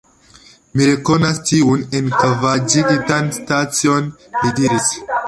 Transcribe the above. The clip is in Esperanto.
Mi rekonas tiun enkavaĵigitan stacion, li diris.